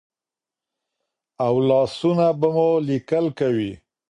او لاسونه به مو لیکل کوي.